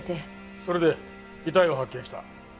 それで遺体を発見した？